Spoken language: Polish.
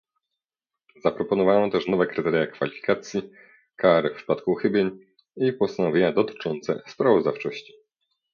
Zaproponowano też nowe kryteria kwalifikacji, kary w przypadku uchybień i postanowienia dotyczące sprawozdawczości